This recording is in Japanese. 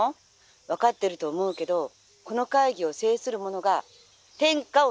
分かってると思うけどこの会議を制する者が天下を制するのよ！」。